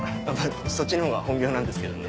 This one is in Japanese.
そっちのほうが本業なんですけどね。